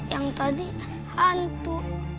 yang tadi hantu